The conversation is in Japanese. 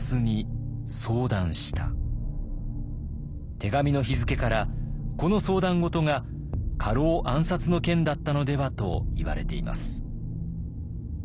手紙の日付からこの相談事が家老暗殺の件だったのではといわれています。